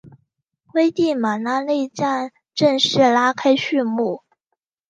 危地马拉内战正式拉开序幕。